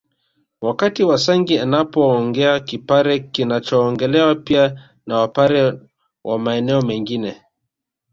Wakati wasangi anaongea kipare kinachoongelewa pia na Wapare wa maeneo mengine